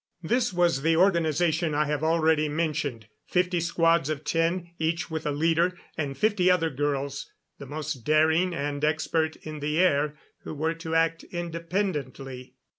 This was the organization I have already mentioned, fifty squads of ten, each with a leader; and fifty other girls, the most daring and expert in the air, who were to act independently.